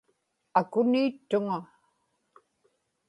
akuni-ittuŋa